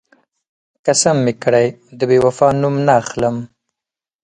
قسم مې کړی، د بېوفا نوم نه اخلم.